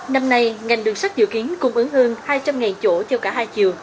năm nay ngành đường sắt dự kiến cung ứng hơn hai trăm linh chỗ theo cả hai chiều